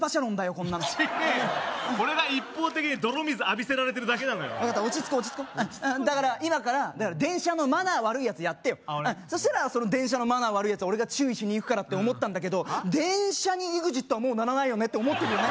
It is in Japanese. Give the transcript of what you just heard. こんなの違えよ俺が一方的に泥水浴びせられてるだけだろうよ分かった落ち着こう落ち着こうだから今から電車のマナー悪い奴やってよそしたらその電車のマナー悪い奴俺が注意しにいくからって思ったんだけど電車にＥＸＩＴはもう乗らないよねって思ってるよね